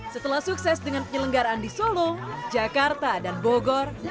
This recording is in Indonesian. setelah sukses dengan penyelenggaraan di solo jakarta dan bogor